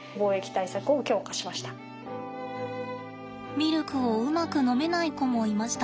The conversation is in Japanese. ミルクをうまく飲めない子もいました。